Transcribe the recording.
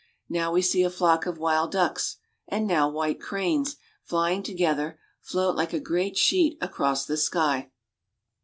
Now we see a flock of wild ducks, and now white cranes, flying together, float like a great sheet across the sky.